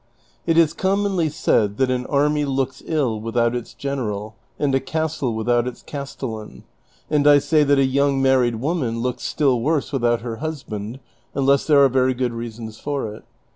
" It is commonly said that an army looks ill without its general and a castle without its castellan, and I say that a young married woman looks still worse without her husband unless there are very good reasons for it.